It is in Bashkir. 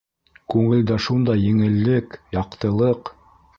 Күңелдә шундай еңеллек, яҡтылыҡ.